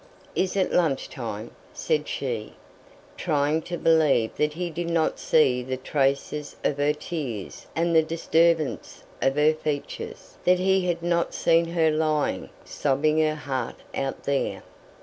"Is it lunch time?" said she, trying to believe that he did not see the traces of her tears and the disturbance of her features that he had not seen her lying, sobbing her heart out there.